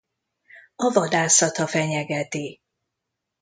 A vadászata fenyegeti.